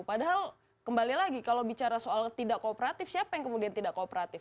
padahal kembali lagi kalau bicara soal tidak kooperatif siapa yang kemudian tidak kooperatif